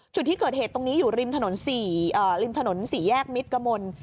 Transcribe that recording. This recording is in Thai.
จุดที่เกิดเหตุตรงนี้อยู่ริมถนนริมถนน๔แยกมิตรกมล